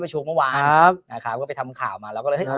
ประชุมเมื่อวานครับนะครับก็ไปทำข่าวมาแล้วก็เลยเอา